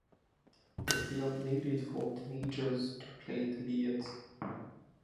The film needed four teenagers to play the leads.